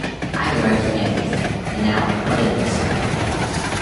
I learnt everything, and now I've put it on the side.